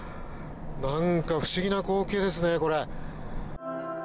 何か不思議な光景ですね、これ。